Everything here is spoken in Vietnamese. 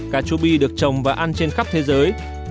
cà chua bi được trồng và ăn trên khắp thế giới